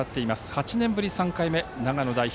８年ぶり３回目長野代表